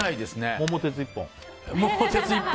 「桃鉄」一本？